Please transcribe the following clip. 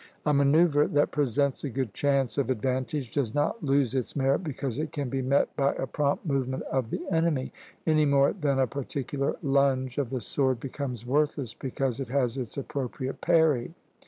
A manoeuvre that presents a good chance of advantage does not lose its merit because it can be met by a prompt movement of the enemy, any more than a particular lunge of the sword becomes worthless because it has its appropriate parry.